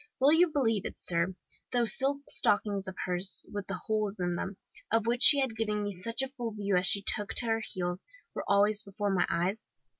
Will you believe it, sir, those silk stockings of hers with the holes in them, of which she had given me such a full view as she took to her heels, were always before my eyes?